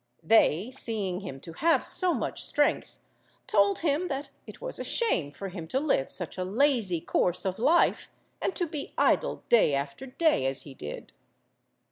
They seeing him to have so much strength told him that it was a shame for him to live such a lazy course of life, and to be idle day after day, as he did.